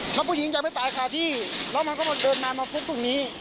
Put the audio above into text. ถ้าผู้หญิงยังไม่ตายคาที่แล้วมันก็เดินมามาฟุบตรงนี้